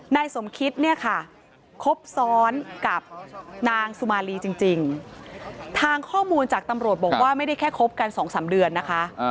นายสมคิดเนี่ยค่ะคบซ้อนกับนางสุมาลีจริงทางข้อมูลจากตำรวจบอกว่าไม่ได้แค่คบกันสองสามเดือนนะคะ